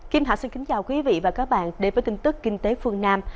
kim hạ xin kính chào quý vị và các bạn đến với tin tức kinh tế phương nam